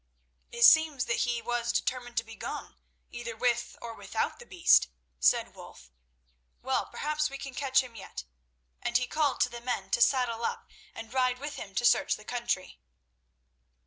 "It seems that he was determined to be gone, either with or without the beast," said Wulf. "Well, perhaps we can catch him yet," and he called to the men to saddle up and ride with him to search the country.